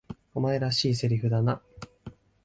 お前らしい台詞だな。